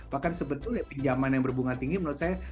bahkan sebetulnya pinjaman yang berbunga tinggi menurut saya